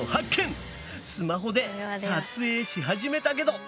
スマホで撮影し始めたけど。